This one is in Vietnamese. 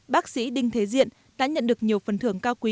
bác sĩ đinh thế diện đã nhận được nhiều phần thưởng cao quý